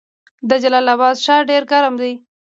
د جلال اباد ښار ډیر ګرم دی